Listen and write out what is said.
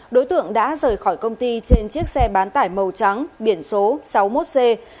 đối tượng đã rời khỏi công ty trên chiếc xe bán tải màu trắng biển số sáu mươi một c bốn mươi năm nghìn